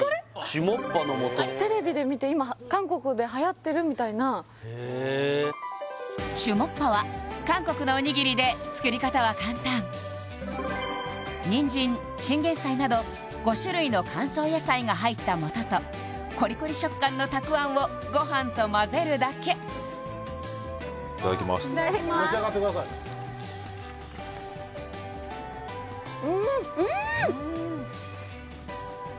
チュモッパの素テレビで見て今へチュモッパは韓国のおにぎりで作り方は簡単ニンジンチンゲンサイなど５種類の乾燥野菜が入った素とコリコリ食感のたくあんをご飯とまぜるだけいただきます召し上がってくださいうんうん！